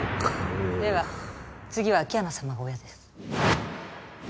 では次は秋山さまが親です。